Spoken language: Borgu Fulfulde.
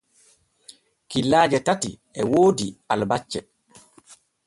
Killaaje tati e woodi albacce.